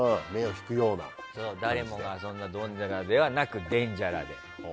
誰もが遊んだドンジャラではなくデンジャラで。